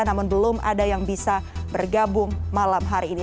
namun belum ada yang bisa bergabung malam hari ini